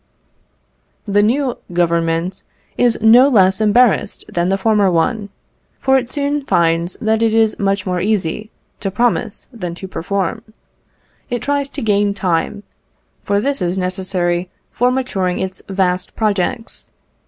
The new Government is no less embarrassed than the former one, for it soon finds that it is much more easy to promise than to perform. It tries to gain time, for this is necessary for maturing its vast projects.